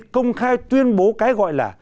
công khai tuyên bố cái gọi là